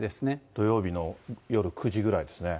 土曜日の夜９時ぐらいですね。